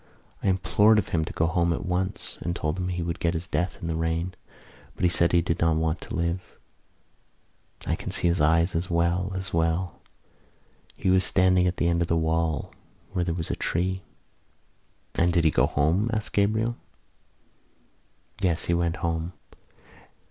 "I implored of him to go home at once and told him he would get his death in the rain. But he said he did not want to live. I can see his eyes as well as well! He was standing at the end of the wall where there was a tree." "And did he go home?" asked Gabriel. "Yes, he went home.